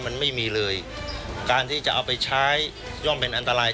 มันไม่มีเลยการที่จะเอาไปใช้ย่อมเป็นอันตราย